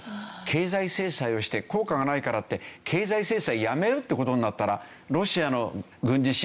経済制裁をして効果がないからって経済制裁やめるって事になったら。